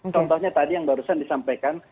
contohnya tadi yang barusan disampaikan